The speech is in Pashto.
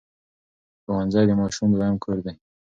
ښوونځی د ماشوم دویم کور دی.